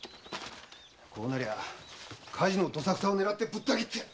こうなりゃ火事のドサクサを狙ってぶった斬ってやる！